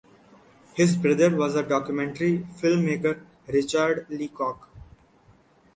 His brother was documentary filmmaker Richard Leacock.